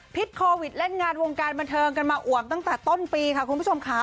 โควิดเล่นงานวงการบันเทิงกันมาอ่วมตั้งแต่ต้นปีค่ะคุณผู้ชมค่ะ